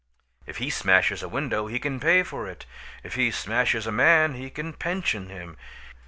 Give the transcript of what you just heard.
If he smashes a window he can pay for it; if he smashes a man he can pension him.